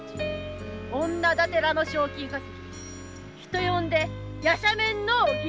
女だてらの賞金稼ぎ人呼んで“夜叉面のお銀”。